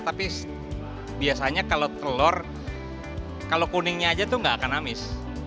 tapi biasanya kalau telur kalau kuningnya aja tuh nggak akan amis